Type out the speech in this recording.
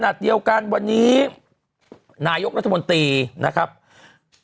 ขนาดเดียวกันวันนี้นายกรัฐมนตรีแบบนี้